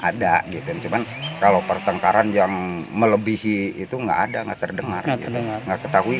ada gitu cuman kalau pertengkaran yang melebihi itu enggak ada enggak terdengar enggak ketahui